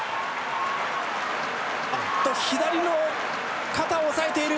あっと左の肩を押さえている。